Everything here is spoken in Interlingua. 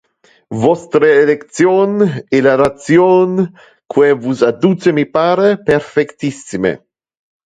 Vostre election e le ration que vos adduce me pare perfectissime.